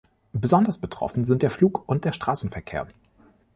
Besonders betroffen sind der Flug- und der Straßenverkehr.